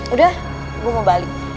udah gue mau balik